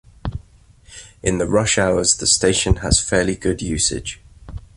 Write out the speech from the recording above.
In the rush hours the station has fairly good usage.